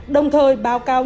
đồng thời báo cáo